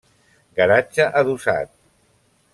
Garatge adossat.